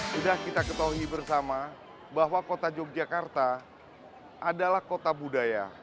sudah kita ketahui bersama bahwa kota yogyakarta adalah kota budaya